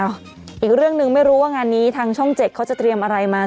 อีกเรื่องหนึ่งไม่รู้ว่างานนี้ทางช่องเจ็ดเขาจะเตรียมอะไรมา